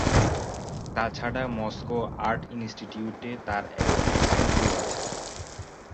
তাছাড়া Moscow art ইন্সটিটিউটে তার একটি স্টুডিও আছে।